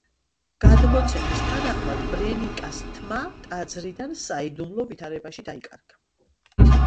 გადმოცემის თანახმად ბერენიკას თმა ტაძრიდან საიდუმლო ვითარებაში დაიკარგა.